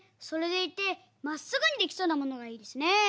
それでいてまっすぐにできそうなものがいいですね。